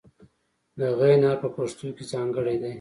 د "غ" حرف په پښتو کې ځانګړی دی.